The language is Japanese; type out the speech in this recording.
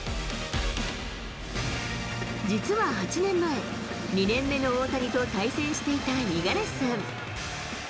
実は８年前、２年目の大谷と対戦していた五十嵐さん。